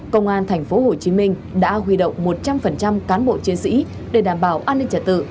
công an tp hcm đã huy động một trăm linh cán bộ chiến sĩ để đảm bảo an ninh trả tự